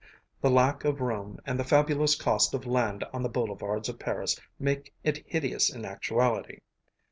The lack of room and the fabulous cost of land on the boulevards of Paris make it hideous in actuality.